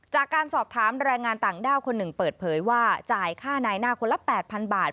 จากการสอบถามแรงงานต่างด้าวคนหนึ่งเปิดเผยว่าจ่ายค่านายหน้าคนละ๘๐๐๐บาท